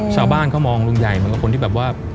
ชาวบ้านก็มองลุงใหญ่มันก็เป็นคนที่แบบว่า